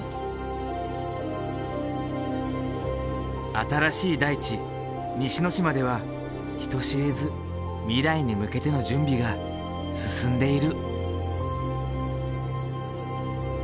新しい大地西之島では人知れず未来に向けての準備が進んでいる。